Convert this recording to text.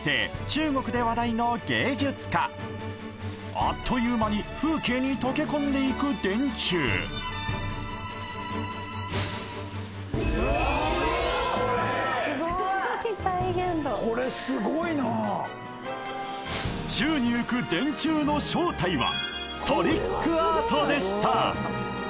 中国で話題のあっという間に風景に溶け込んでいく電柱宙に浮く電柱の正体はトリックアートでした